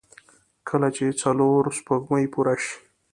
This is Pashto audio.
کله چې څلور سپوږمۍ پوره شي.